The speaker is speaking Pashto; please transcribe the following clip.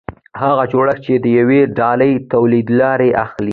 هغه جوړښت چې د یوې ډلې لیدلوری اخلي.